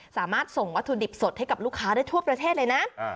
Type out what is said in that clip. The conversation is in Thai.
สามารถส่งวัตถุดิบสดให้กับลูกค้าได้ทั่วประเทศเลยนะ